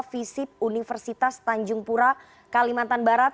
visip universitas tanjung pura kalimantan barat